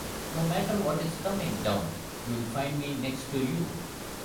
No matter what is coming down, you'll find me next to you.